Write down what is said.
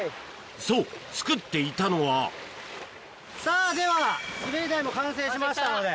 そう作っていたのはさぁでは滑り台も完成しましたので。